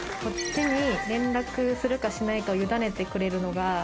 こっちに連絡するかしないかを委ねてくれるのが。